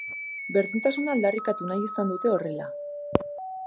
Berdintasuna aldarrikatu nahi izan dute horrela.